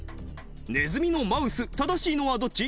ねずみの「マウス」正しいのはどっち？